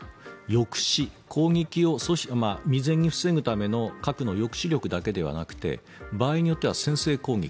抑止、攻撃を阻止未然に防ぐための核の抑止力だけではなくて場合によっては先制攻撃。